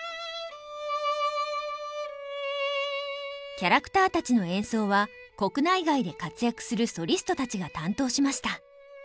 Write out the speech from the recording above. キャラクターたちの演奏は国内外で活躍するソリストたちが担当しました。